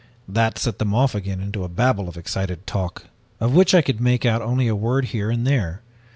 "That set them off again into a babble of excited talk, of which I could make out only a word here and there.